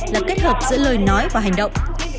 là kết hợp giữa lời nói và hành động